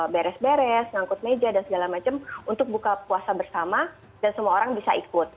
beres beres ngangkut meja dan segala macam untuk buka puasa bersama dan semua orang bisa ikut